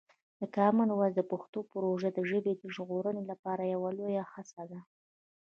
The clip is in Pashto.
د کامن وایس پښتو پروژه د ژبې ژغورنې لپاره یوه لویه هڅه ده.